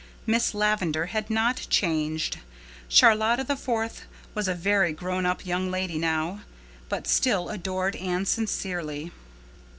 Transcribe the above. Miss Lavendar had not changed; Charlotta the Fourth was a very grown up young lady now, but still adored Anne sincerely.